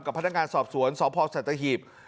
กับพนักงานสอบสวนสพสัตว์ฮีบ